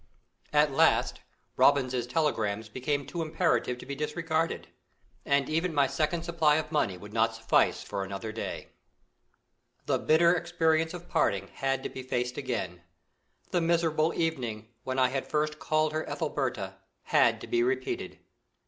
At last Robins's telegrams became too imperative to be disregarded, and even my second supply of money would not suffice for another day. The bitter experience of parting had to be faced again; the miserable evening, when I had first called her Ethelberta, had to be repeated.